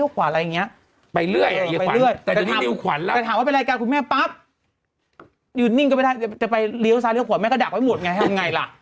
โอ้พี่เมนก็ไม่ได้จะไปเลี้ยวซ้ายเลี้ยวขวาแม่ก็ดับไว้หมดไงทำไงล่ะ